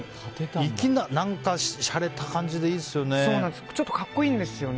粋な、しゃれた感じでいいですよね。